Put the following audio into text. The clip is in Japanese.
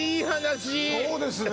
そうですね